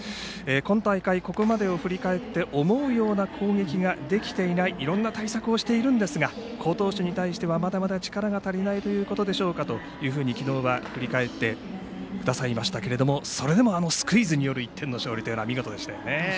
今大会、ここまでを振り返って思うような攻撃ができていないいろんな対策をしているんですが好投手に対しては、まだまだ力が足りないということでしょうかと昨日は振り返ってくださいましたがそれでも、あのスクイズによる１点の勝利というのは見事でした。